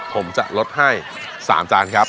ผมจะลดให้๓จานครับ